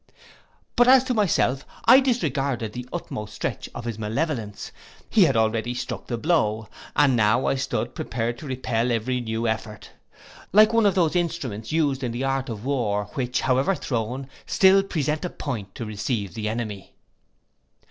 But as to myself, I disregarded the utmost stretch of his malevolence: he had already struck the blow, and now I stood prepared to repel every new effort. Like one of those instruments used in the art of war, which, however thrown, still presents a point to receive the enemy.